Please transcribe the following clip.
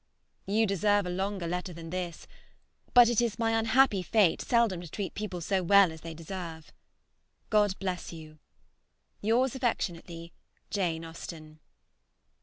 ... You deserve a longer letter than this; but it is my unhappy fate seldom to treat people so well as they deserve. ... God bless you! Yours affectionately, JANE AUSTEN.